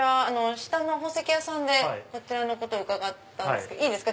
下の宝石屋さんでこちらのこと伺ったんですけどいいですか？